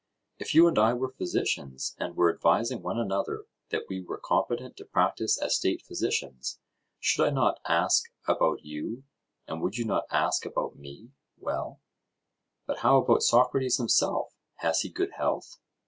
If you and I were physicians, and were advising one another that we were competent to practise as state physicians, should I not ask about you, and would you not ask about me, Well, but how about Socrates himself, has he good health?